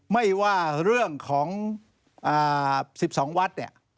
ไม่ว่าเรื่องของ๑๒วัฒน์